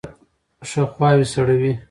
ښه خواوې سړوئ.